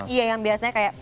iya yang biasanya kayak